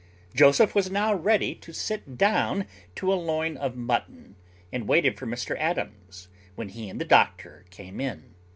Joseph was now ready to sit down to a loin of mutton, and waited for Mr Adams, when he and the doctor came in.